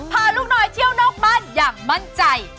พาลูกน้อยเที่ยวนอกบ้านอย่างมั่นใจ